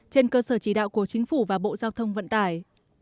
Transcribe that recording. trên cơ sở chỉ đạo của chính phủ và bộ giao thông vận tải